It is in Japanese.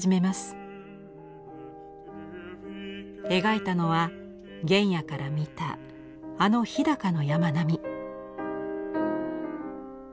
描いたのは原野から見たあの日高の山並み。